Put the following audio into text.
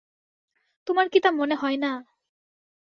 তোমার কি তা মনে হয় না?